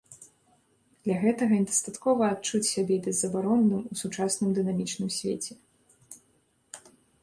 Для гэтага дастаткова адчуць сябе безабаронным у сучасным дынамічным свеце.